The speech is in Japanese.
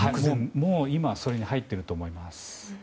もう今はそれに入っていると思います。